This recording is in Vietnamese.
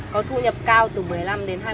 có thu nhập cao từ một mươi năm đến hai mươi